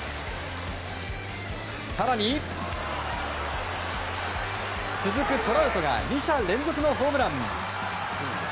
更に、続くトラウトが２者連続のホームラン。